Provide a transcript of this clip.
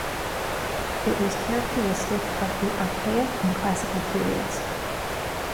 It was characteristic of the Archaic and Classical periods.